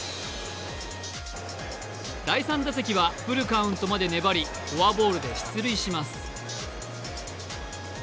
第３打席はフルカウントまで粘りフォアボールで出塁します。